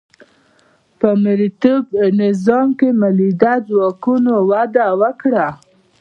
په مرئیتوب نظام کې مؤلده ځواکونو وده وکړه.